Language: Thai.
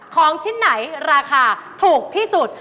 ของชิ้นไหนราคาถูกที่สุด